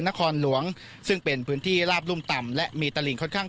นครหลวงซึ่งเป็นพื้นที่ลาบรุ่มต่ำและมีตลิงค่อนข้าง